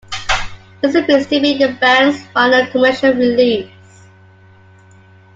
This appears to be the band's final commercial release.